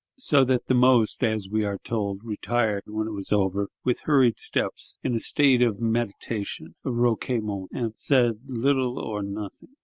So that the most, as we are told, retired, when it was over, with hurried steps, "in a state of meditation (recueillement)," and said little or nothing.